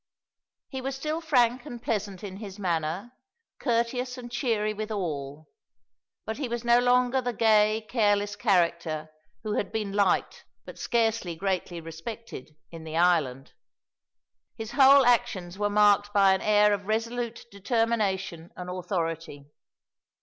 He was still frank and pleasant in his manner, courteous and cheery with all; but he was no longer the gay, careless character who had been liked, but scarcely greatly respected, in the island. His whole actions were marked by an air of resolute determination and authority.